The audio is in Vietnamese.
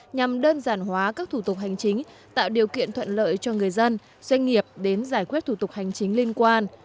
nhằm đơn giản hóa các thủ tục hành chính tạo điều kiện thuận lợi cho người dân doanh nghiệp đến giải quyết thủ tục hành chính liên quan